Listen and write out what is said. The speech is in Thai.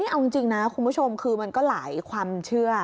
เอาจริงนะคุณผู้ชมคือมันก็หลายความเชื่อ